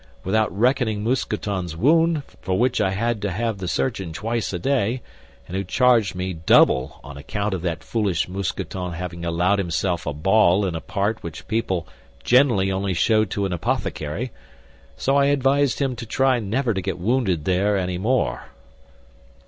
—without reckoning Mousqueton's wound, for which I had to have the surgeon twice a day, and who charged me double on account of that foolish Mousqueton having allowed himself a ball in a part which people generally only show to an apothecary; so I advised him to try never to get wounded there any more."